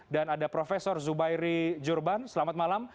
dan ada profesor zubairi jurban selamat malam